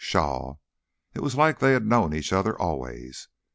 Pshaw! It was like they had known each other always.